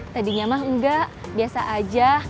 tadinya mah enggak biasa aja